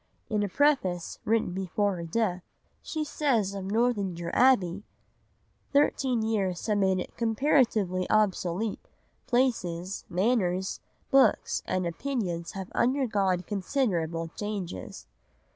In a preface written before her death, she says of Northanger Abbey—Thirteen years have made it "comparatively obsolete, places, manners, books, and opinions have undergone considerable changes."